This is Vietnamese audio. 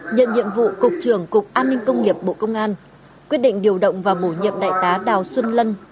nhận nhiệm vụ cục trưởng cục an ninh công nghiệp bộ công an quyết định điều động và bổ nhiệm đại tá đào xuân lân